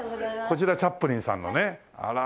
こちらチャップリンさんのねあら。